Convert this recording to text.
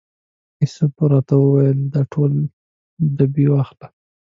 یوسف راته وویل دا ټول ډبې واخله.